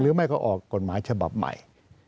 หรือไม่ก็ออกกฎหมายฉบับใหม่